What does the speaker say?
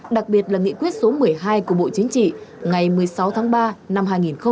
đặc biệt là nghị quyết số một mươi hai của bộ chính trị ngày một mươi sáu tháng ba năm hai nghìn một mươi chín